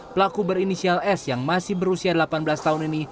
pelaku berinisial s yang masih berusia delapan belas tahun ini